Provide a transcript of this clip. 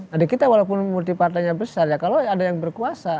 jadi kita walaupun multi partainya besar ya kalau ada yang berkuasa